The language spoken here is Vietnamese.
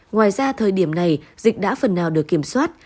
ngoài ra thời điểm này dịch đã phần nào được kiểm soát